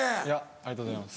ありがとうございます。